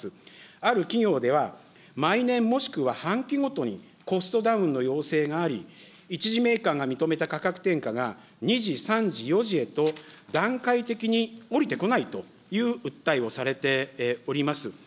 ある企業では、毎年、もしくは半期ごとに、コストダウンの要請があり、１次メーカーが認めた２次、３次、４次へと段階的に下りてこないという訴えをされております。